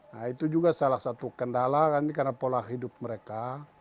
nah itu juga salah satu kendala kan karena pola hidup mereka